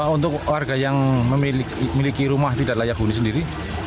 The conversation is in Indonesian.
untuk warga yang memiliki rumah tidak layak huni sendiri